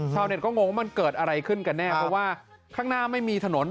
ชาวเน็ตก็งงว่ามันเกิดอะไรขึ้นกันแน่เพราะว่าข้างหน้าไม่มีถนน